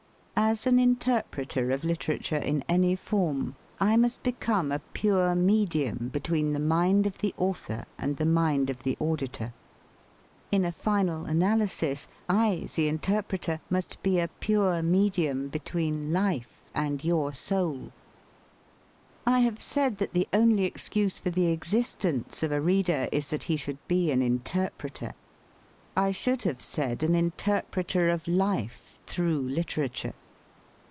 As an interpreter of litera ture in any form, I must become a pure medium between the mind of the author and ^ the mind of the auditor. In a final analysis /I, the interpreter, must be a pure medium between life and your soul. I have said that the only excuse for the existence of a reader is that he should be an interpreter. I should have said an interpreter of life through litera ture.